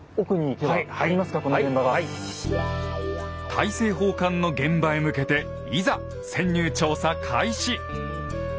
大政奉還の現場へ向けていざ潜入調査開始！